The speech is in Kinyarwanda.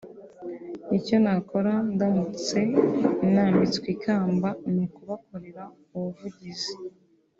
Icyo nakora ndamutse nambitswe ikamba ni ukubakorera ubuvugizi